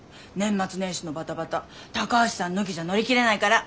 年末年始のバタバタ高橋さん抜きじゃ乗り切れないから！